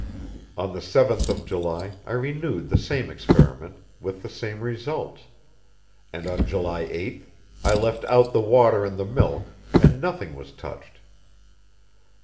On the seventh of July I renewed the same experiment, with the same results, and on July 8th, I left out the water and the milk and nothing was touched.